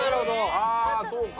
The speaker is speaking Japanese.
ああそうか。